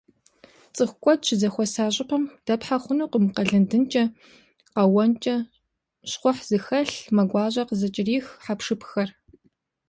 ЦӀыху куэд щызэхуэса щӀыпӀэм дэпхьэ хъунукъым къэлыдынкӀэ, къэуэнкӀэ, щхъухь зыхэлъ, мэ гуащӀэ къызыкӀэрих хьэпшыпхэр.